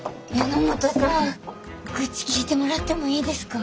榎本さん愚痴聞いてもらってもいいですか？